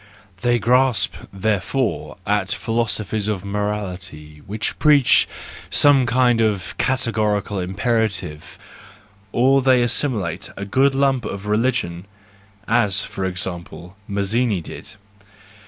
They grasp, therefore, at philosophies of morality which preach some kind of categorical imperative, or they assimilate a good lump ot religion, as, for example, Mazzini did.